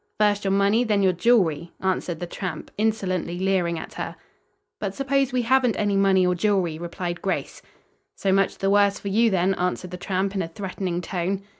"First your money, then your jewelry," answered the tramp, insolently leering at her. "But suppose we haven't any money or jewelry," replied Grace. "So much the worse for you, then," answered the tramp in a threatening tone.